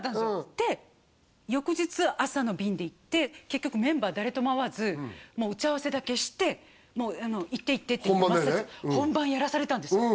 で翌日朝の便で行って結局メンバー誰とも会わずもう打ち合わせだけして行って行ってって本番だよね